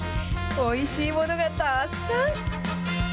おいしいものがたくさん。